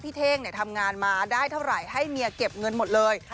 เท่งทำงานมาได้เท่าไหร่ให้เมียเก็บเงินหมดเลย